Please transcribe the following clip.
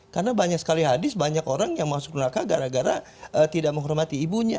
karena banyak sekali hadis banyak orang yang masuk dunia kak gara gara tidak menghormati ibunya